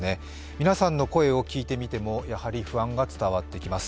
皆さんの声を聞いてみても、やはり不安が伝わってきます。